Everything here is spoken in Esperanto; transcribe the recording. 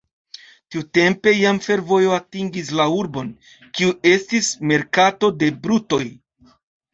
Tiutempe jam fervojo atingis la urbon, kiu estis merkato de brutoj.